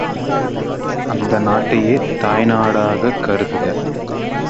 அந்த நாட்டையே தாய்நாடாகக் கருதுக!